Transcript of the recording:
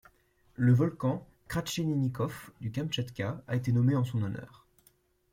Le volcan Kracheninnikov du Kamtchatka a été nommé en son honneur.